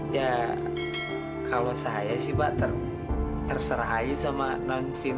ya kalau saya sih mbak terserah sama non sin